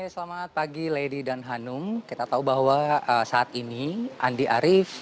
selamat pagi lady dan hanum kita tahu bahwa saat ini andi arief